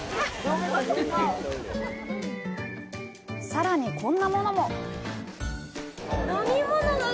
さらにこんなものも！